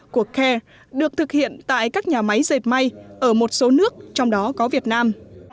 cuộc khe được thực hiện tại các nhà máy dệt may ở một số nước trong đó có việt nam